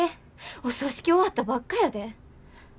お葬式終わったばっかやで。